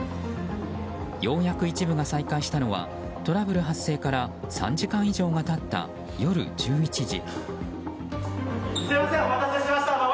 ようやく一部が再開したのはトラブル発生から３時間以上が経った夜１１時。